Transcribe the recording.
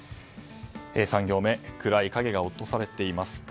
３行目暗い影が落とされています。